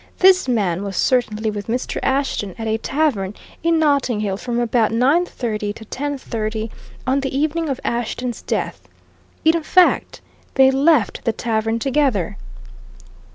This man was certainly with Mr. Ashton at a tavern in Notting Hill from about nine thirty to ten thirty on the evening of Ashton's death. In fact, they left the tavern together."